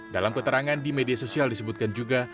dalam keterangan di media sosial disebutkan juga